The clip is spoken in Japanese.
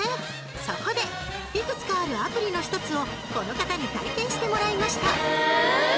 そこでいくつかあるアプリの１つをこの方に体験してもらいました！